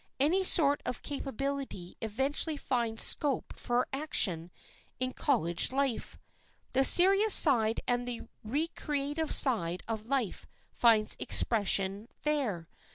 Any sort of capability eventually finds scope for action in college life. The serious side and the recreative side of life find expression there.